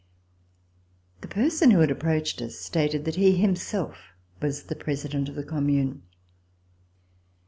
The person who had aj) proached us stated that he himself was the President of the Commune.